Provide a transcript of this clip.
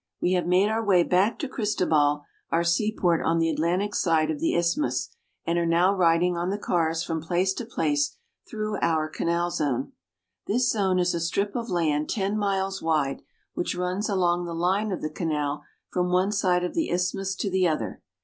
We have made our way back to Cristobal, our seaport on the Atlantic side of the isthmus, and are now riding on the cars from place to place through our Canal Zone. This Zone is a strip of land ten miles wide which runs along the line of the canal from one side of the isthmus to the other.